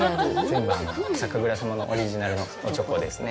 全部、酒蔵様のオリジナルのお猪口ですね。